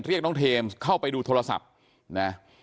เรียกน้องเทมส์เข้าไปดูโทรศัพท์นะ